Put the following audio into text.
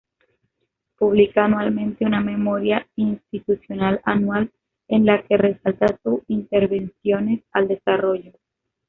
Publica anualmente una Memoria Institucional Anual en la que resalta sus intervenciones al desarrollo.